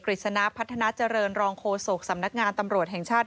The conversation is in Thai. ฤษณะพัฒนาเจริญรองโฆษกสำนักงานตำรวจแห่งชาติ